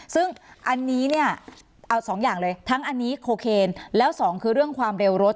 ซึ่งอันนี้เนี่ยเอาสองอย่างเลยทั้งอันนี้โคเคนแล้วสองคือเรื่องความเร็วรถ